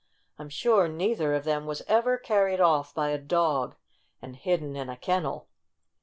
I'm sure neither of them was ever carried off by a dog and hidden in a kennel.